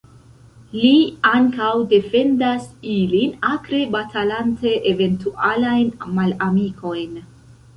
Li ankaŭ defendas ilin, akre batalante eventualajn malamikojn.